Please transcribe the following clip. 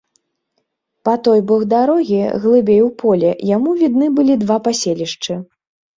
Па той бок дарогі, глыбей у поле, яму відны былі два паселішчы.